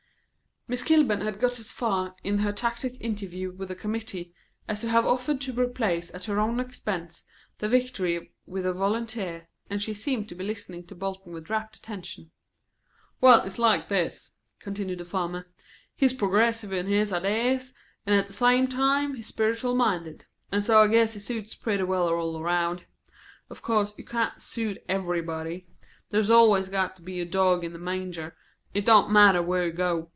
Miss Kilburn had got as far, in her tacit interview with the committee, as to have offered to replace at her own expense the Victory with a Volunteer, and she seemed to be listening to Bolton with rapt attention. "Well, it's like this," continued the farmer. "He's progressive in his idees, 'n' at the same time he's spiritual minded; and so I guess he suits pretty well all round. Of course you can't suit everybody. There's always got to be a dog in the manger, it don't matter where you go.